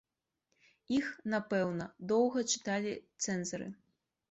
Іх, напэўна, доўга чыталі цэнзары.